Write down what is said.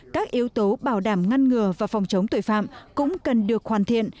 các yếu tố bảo đảm ngăn ngừa và phòng chống tội phạm cũng cần được hoàn thiện